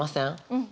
うん。